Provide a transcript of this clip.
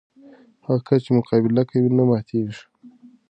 هغه کس چې مقابله کوي، نه ماتېږي.